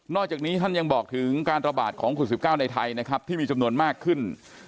อกจากนี้ท่านยังบอกถึงการระบาดของคุณ๑๙ในไทยนะครับที่มีจำนวนมากขึ้น